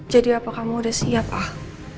jadi apa kamu udah siap al